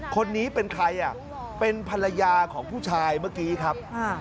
คนนี้เป็นใครอ่ะเป็นภรรยาของผู้ชายเมื่อกี้ครับ